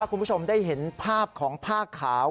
คุณผู้ชมได้เห็นภาพของผ้าขาว